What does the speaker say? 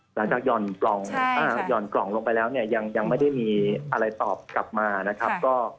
หลังจากหย่อนกล่องลงไปแล้วยังไม่ได้มีอะไรตอบกลับมานะครับ